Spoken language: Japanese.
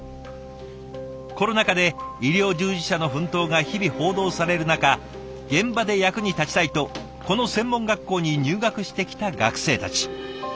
コロナ禍で医療従事者の奮闘が日々報道される中現場で役に立ちたいとこの専門学校に入学してきた学生たち。